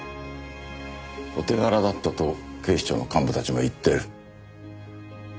「お手柄だった」と警視庁の幹部たちも言ってる。